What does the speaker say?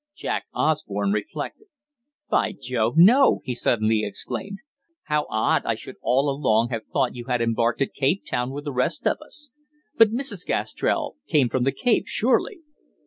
Jack Osborne reflected. "By Jove, no!" he suddenly exclaimed. "How odd I should all along have thought you had embarked at Capetown with the rest of us. But Mrs. Gastrell came from the Cape, surely?"